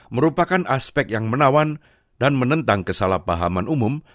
merupakan aspek yang menawan dan menentang kesalahpahaman umum